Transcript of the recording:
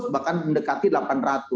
bahkan mendekati delapan ratus